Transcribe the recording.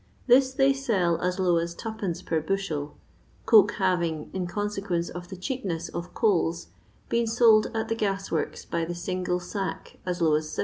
This they sell as low as 2</. per bushel, coke having, in consequence of the cheapness of coals, been sold at the gas worki by the single sack as low as 7(£.